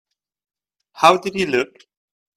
How did he look?